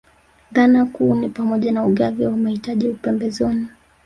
Dhana kuu ni pamoja na ugavi na mahitaji upembezoni